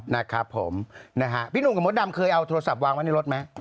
นะครับผมนะฮะพี่หนุ่มกับมดดำเคยเอาโทรศัพท์วางไว้ในรถไหม